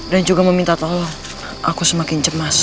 dan juga meminta tolong aku semakin cemas